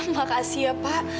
makasih ya pak